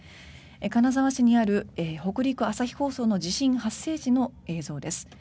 金沢市にある北陸朝日放送の地震発生時の映像です。